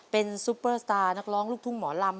เป็นซุปเปอร์สตาร์นักร้องลูกทุ่งหมอลำ